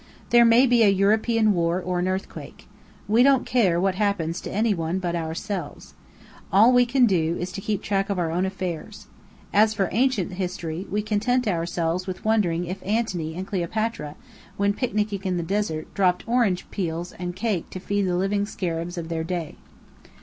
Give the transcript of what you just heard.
There may be a European war or an earthquake. We don't care what happens to any one but ourselves. It is all we can do to keep track of our own affairs. As for ancient history, we content ourselves with wondering if Anthony and Cleopatra, when picnicking in the desert, dropped orange peel and cake to feed the living scarabs of their day.